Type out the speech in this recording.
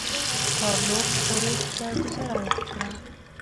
ګارلوک بوریس ته ګوزاره ورکړه.